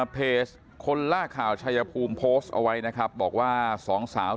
เพจคนล่าข่าวชายภูมิโพสต์เอาไว้นะครับบอกว่าสองสาว